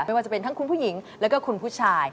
ไม่ว่าจะเป็นทั้งคุณผู้หญิงแล้วก็คุณผู้ชาย